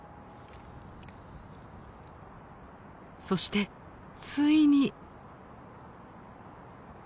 そしてついに。